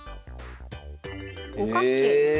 五角形ですね。